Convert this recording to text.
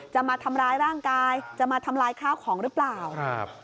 จะมาทำร้ายร่างกายจะมาทำลายข้าวของหรือเปล่าครับ